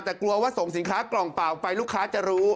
แต่กลัวว่าส่งสินค้ากล่องเปล่าไปลูกค้าจะรู้